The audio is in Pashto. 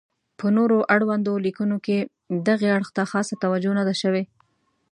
په نور اړوندو لیکنو کې دغې اړخ ته خاصه توجه نه ده شوې.